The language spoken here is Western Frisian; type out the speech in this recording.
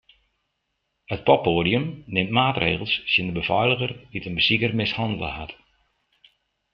It poppoadium nimt maatregels tsjin de befeiliger dy't in besiker mishannele hat.